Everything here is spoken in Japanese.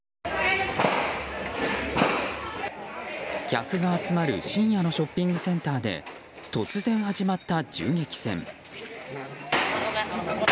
客が集まる深夜のショッピングセンターで突然始まった銃撃戦。